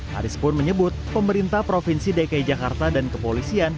haris pun menyebut pemerintah provinsi dki jakarta dan kepolisian